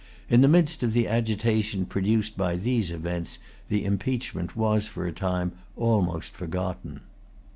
In the midst of the agitation produced by these events, the impeachment was for a time almost forgotten.